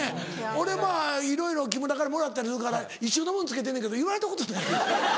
俺まぁいろいろ木村からもらったりするから一緒のもんつけてんねんけど言われたことないねん。